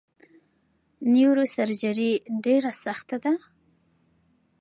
نیوروسرجري ډیره سخته ده!